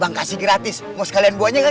enak aja men selalu gua itu